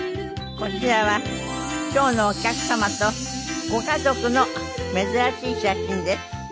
こちらは今日のお客様とご家族の珍しい写真です。